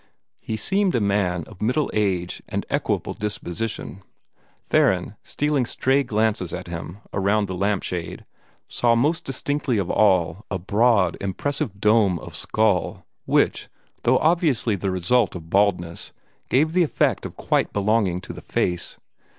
He seemed a man of middle age and an equable disposition. Theron, stealing stray glances at him around the lampshade, saw most distinctly of all a broad, impressive dome of skull, which, though obviously the result of baldness, gave the effect of quite belonging to the face.